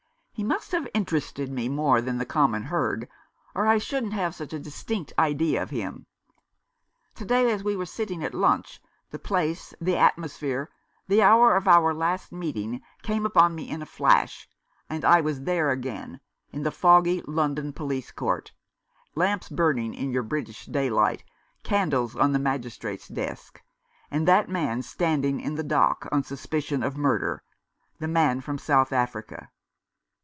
He must have interested me more than the common herd, or I shouldn't have such a distinct idea of him. To day as we were sitting at lunch the place, the atmosphere, the hour of our last meeting, came upon me in a flash, and I was there again, in the foggy London police court — lamps burning in your British daylight, candles on the Magistrate's desk, and that man standing in the dock on suspicion of murder — the man from South Africa."